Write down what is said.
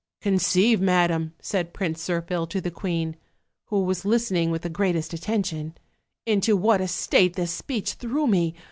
289 "Conceive, madam," said Prince Zirphil to the queen, who was listening with the greatest attention, "into what a state this speech threw me.